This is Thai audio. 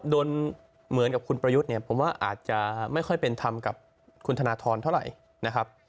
เหมือนกับคุณประยุทธ์เนี่ยผมว่าอาจจะไม่ค่อยเป็นธรรมกับคุณธนทรเท่าไหร่นะครับ